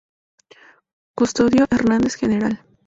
Custodio Hernández, Gral.